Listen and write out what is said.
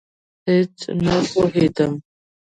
هېڅ نه پوهېدم.